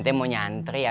saya mau nyantri ya